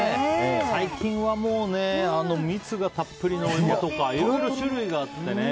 最近はもうね蜜がたっぷりのお芋とかいろいろ種類があってね。